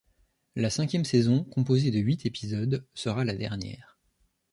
La cinquième saison, composée de huit épisodes, sera la dernière.